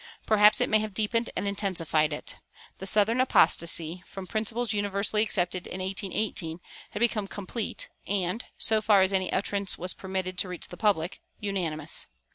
Perhaps it may have deepened and intensified it. The "southern apostasy," from principles universally accepted in 1818, had become complete and (so far as any utterance was permitted to reach the public) unanimous.